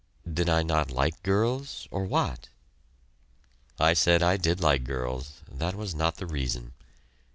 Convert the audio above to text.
Did I not like girls? or what? I said I did like girls; that was not the reason.